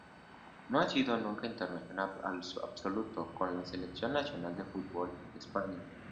No ha sido nunca internacional absoluto con la Selección nacional de fútbol de España.